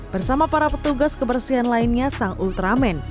pertama kali petugas petugas yang menyebutnya adalah